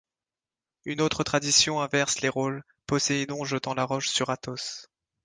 Une autre tradition inverse les rôles, Poséidon jetant la roche sur Athos.